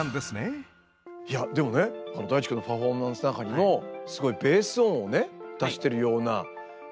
でもねＤａｉｃｈｉくんのパフォーマンスの中にもすごいベース音をね出してるようなやつあって。